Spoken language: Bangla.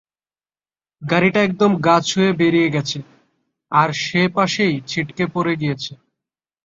গাড়িটা একদম গা ছুয়ে বেড়িয়ে গেছে, আর সে পাশেই ছিটকে পড়ে গিয়েছে।